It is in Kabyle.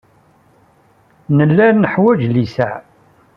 Nella neḥwaj littseɛ.